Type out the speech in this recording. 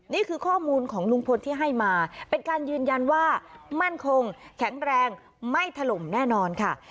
นี่คือข้อมูลของลุงพลที่ให้มาเป็นการยืนยันว่ามั่นคงแข็งแรงไม่ถล่มแน่นอนค่ะ